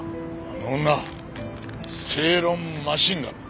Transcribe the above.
あの女正論マシンガンだ。